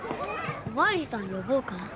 おまわりさん呼ぼうか？